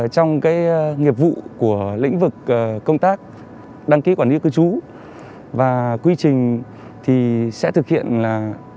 trong nghiệp vụ của lĩnh vực công tác đăng ký quản lý cư trú và quy trình thì sẽ thực hiện là